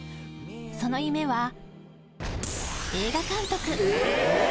その夢は、映画監督。